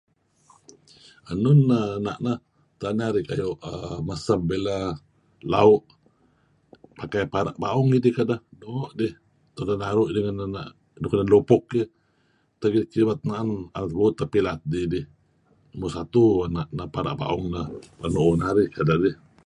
Enun nah ena' nah. Tak narih meseb, iih lah lau' pakai pra' baung narih kedeh. Doo' dih tulu narih naru' dih ngen nuk lupuk iih. Tak idih kibet naen naem tebuut teh pilat ih idih. Numur satu para' bung neh kedeh dih.